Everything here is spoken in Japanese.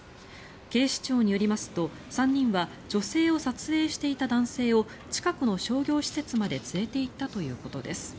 警視庁によりますと、３人は女性を撮影していた男性を近くの商業施設まで連れていったということです。